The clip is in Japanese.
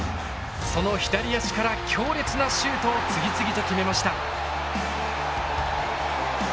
その左足から強烈なシュートを次々と決めました。